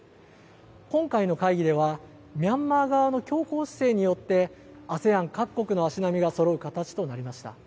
今回の会議ではミャンマー側の強硬姿勢によってＡＳＥＡＮ各国の足並みがそろう形となりました。